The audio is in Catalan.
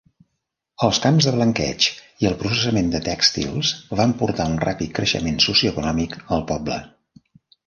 Els camps de blanqueig i el processament de tèxtils van portar un ràpid creixement socioeconòmic al poble.